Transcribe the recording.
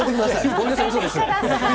ごめんなさい、うそです。